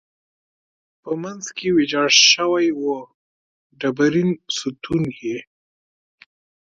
په منځ کې ویجاړ شوی و، ډبرین ستون یې.